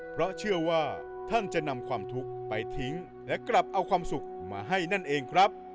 เพราะเชื่อว่าท่านจะนำความทุกข์ไปทิ้งและกลับเอาความสุขมาให้นั่นเองครับ